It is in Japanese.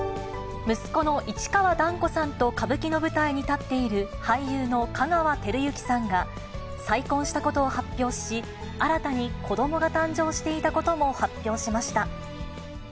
息子の市川團子さんと歌舞伎の舞台に立っている俳優の香川照之さんが、再婚したことを発表し、新たに子どもが誕生していたことも発表しました。